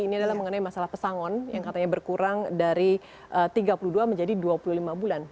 ini adalah mengenai masalah pesangon yang katanya berkurang dari tiga puluh dua menjadi dua puluh lima bulan